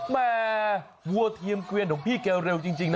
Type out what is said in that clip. แม่วัวเทียมเกวียนของพี่แกเร็วจริงนะ